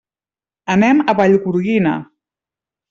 Anem a Vallgorguina.